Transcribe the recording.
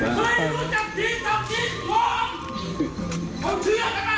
ไปไปไป